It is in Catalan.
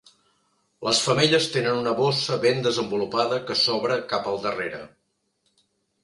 Les femelles tenen una bossa ben desenvolupada que s'obre cap al darrere.